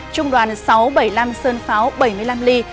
trung đoàn sáu trăm bảy mươi năm sơn pháo bảy mươi năm ly